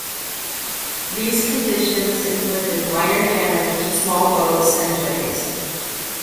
These conditions inflicted minor damage to small boats and jetties.